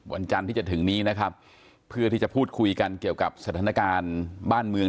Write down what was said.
วันจันทร์ที่จะถึงนี้นะครับเพื่อที่จะพูดคุยกันเกี่ยวกับสถานการณ์บ้านเมือง